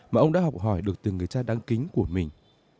mà ông đã học hỏi được từ người cha đăng kính của mình